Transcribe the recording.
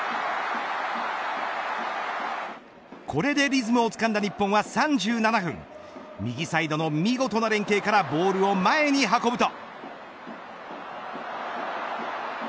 これでリズムをつかんだ日本は３７分右サイドの見事な連係からボールを前に運ぶと。